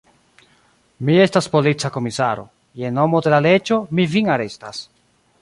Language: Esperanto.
Mi estas polica komisaro: je nomo de la leĝo mi vin arestas.